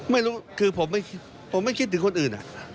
ไม่รู้คือผมไม่คิดถึงคนอื่น